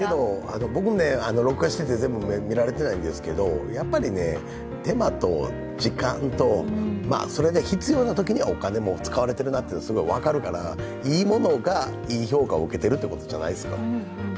僕ね、録画してて全部まだ見られてないんですけどやっぱり、手間と時間と、必要なときにお金も使われているなと分かるからいいものがいい評価を受けているということじゃないですか。